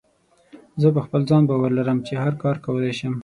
زه په خپل ځان باور لرم چې هر کار کولی شم.